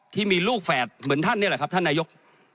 ที่มีลูกแฝดเหมือนท่านนี่แหละครับท่านนายก